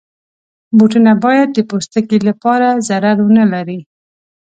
بوټونه باید د پوستکي لپاره ضرر ونه لري.